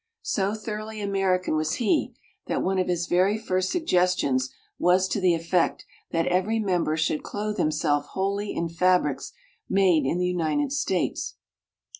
So thoroughly American was he, that one of his very first suggestions was to the effect that every member should clothe himself wholly in fabrics made in the United States.